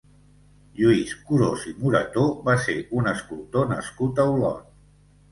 Lluís Curós i Morató va ser un escultor nascut a Olot.